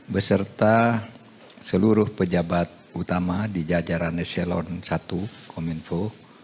beserta seluruh pejabat utama di jajaran eselon i kominfo